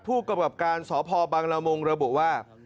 ผู้กระบบการสพบังละมงค์ระบบว่า